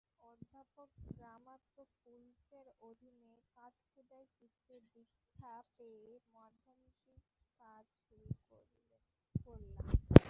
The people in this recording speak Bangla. অধ্যাপক গ্রামাতোপুলসের অধীনে কাঠখোদাই চিত্রের দীক্ষা পেয়ে মাধ্যমটিতে কাজ শুরু করলাম।